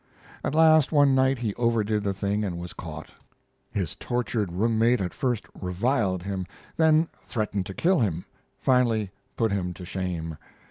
At last, one night, he overdid the thing and was caught. His tortured room mate at first reviled him, then threatened to kill him, finally put him to shame.